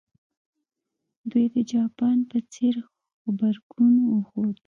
دوی د جاپان په څېر غبرګون وښود.